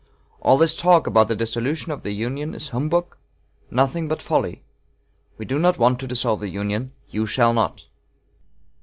All this talk about the dissolution of the Union is humbug, nothing but folly. We do not want to dissolve the Union; you shall not."